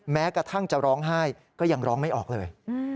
แม้กระทั่งจะร้องไห้ก็ยังร้องไม่ออกเลย